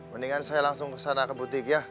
mendingan saya langsung ke sana ke butik ya